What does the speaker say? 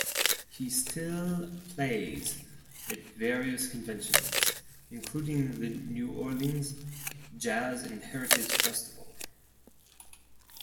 He still plays at various conventions, including the New Orleans Jazz and Heritage Festival.